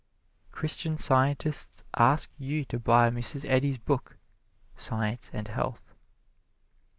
Christian Scientists ask you to buy Mrs. Eddy's book, "Science and Health."